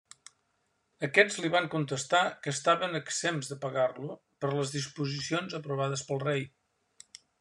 Aquests li van contestar que estaven exempts de pagar-lo, per les disposicions aprovades pel rei.